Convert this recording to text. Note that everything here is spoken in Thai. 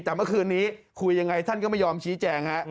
แต่เมื่อคืนนี้คุยยังไงท่านก็ไม่ยอมชี้แจงฮะ